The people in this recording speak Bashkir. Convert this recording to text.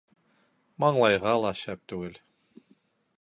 Маңлайға ла шәп түгел.